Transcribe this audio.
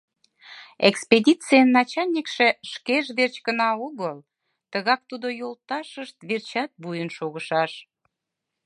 Экспедицийын начальникше шкеж верч гына огыл, тыгак тудо йолташышт верчат вуйын шогышаш.